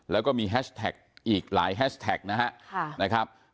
แล้วก็มีแฮชแท็กอีกหลายแฮชแท็กนะครับ